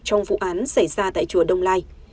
trong vụ án xảy ra tại chùa đông lai